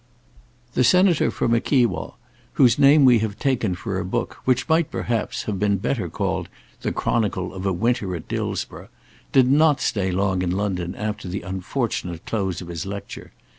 The Senator for Mickewa, whose name we have taken for a book which might perhaps have been better called "The Chronicle of a Winter at Dillsborough" did not stay long in London after the unfortunate close of his lecture.